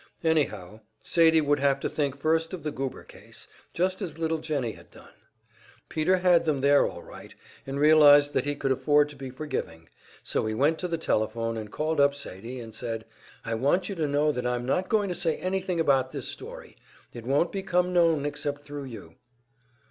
Anyhow, Sadie would have to think first of the Goober case, just as little Jennie had done. Peter had them there all right, and realized that he could afford to be forgiving, so he went to the telephone and called up Sadie and said: "I want you to know that I'm not going to say anything about this story; it won't become known except thru you."